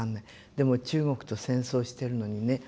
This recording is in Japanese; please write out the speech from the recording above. でも中国と戦争してるのにね